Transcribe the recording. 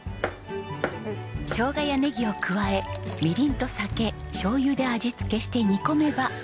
しょうがやネギを加えみりんと酒しょうゆで味付けして煮込めば。